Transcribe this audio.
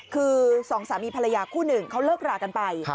คือสองสามีภรรยาคู่หนึ่งเขาเลิกรากันไป